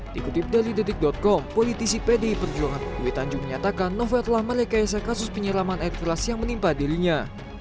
dikutip dari detik com politisi pdi perjuangan dwi tanjung menyatakan novel telah merekayasa kasus penyiraman air keras yang menimpa dirinya